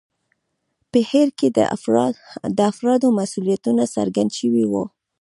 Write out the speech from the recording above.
په هیر کې د افرادو مسوولیتونه څرګند شوي وو.